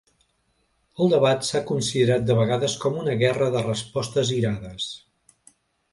El debat s'ha considerat de vegades com una guerra de respostes irades.